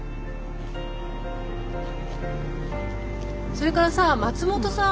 それからさ松本さん